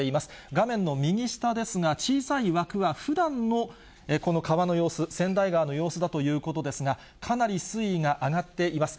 画面の右下ですが、小さい枠はふだんのこの川の様子、千代川の様子だということですが、かなり水位が上がっています。